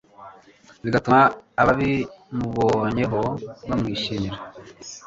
bigatuma ababimubonyeho bamwishimira